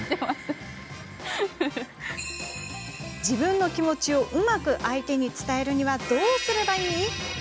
自分の気持ちをうまく相手に伝えるにはどうすればいい？